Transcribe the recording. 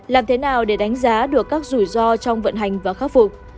làm thế nào để đánh giá được các rủi ro trong vận hành và khắc phục